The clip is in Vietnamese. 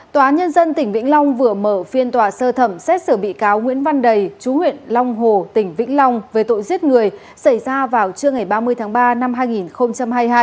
tòa nhân dân tỉnh vĩnh long vừa mở phiên tòa sơ thẩm xét xử bị cáo nguyễn văn đầy chú huyện long hồ tỉnh vĩnh long về tội giết người xảy ra vào trưa ngày ba mươi tháng ba năm hai nghìn hai mươi hai